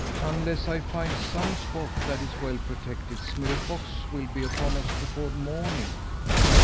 Unless I find some spot that is well protected, Smirre Fox will be upon us before morning."